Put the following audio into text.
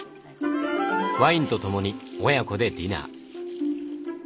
ワインと共に親子でディナー。